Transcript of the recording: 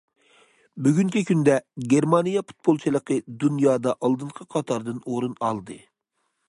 بۈگۈنكى كۈندە، گېرمانىيە پۇتبولچىلىقى دۇنيادا ئالدىنقى قاتاردىن ئورۇن ئالدى.